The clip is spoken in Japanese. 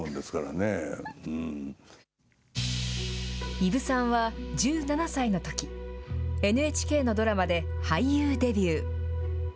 伊武さんは、１７歳のとき、ＮＨＫのドラマで、俳優デビュー。